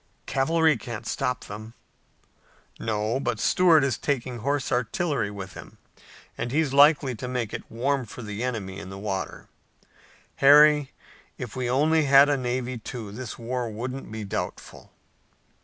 "Cavalry can't stop them." "No, but Stuart is taking horse artillery with him, and he's likely to make it warm for the enemy in the water. Harry, if we only had a navy, too, this war wouldn't be doubtful."